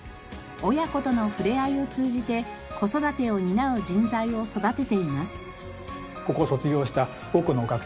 親子とのふれあいを通じて子育てを担う人材を育てています。